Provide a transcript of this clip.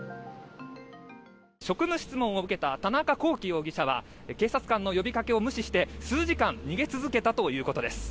職務質問を受けた田中聖容疑者は警察官の呼びかけを無視して数時間逃げ続けたということです。